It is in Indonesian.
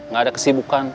gak ada kesibukan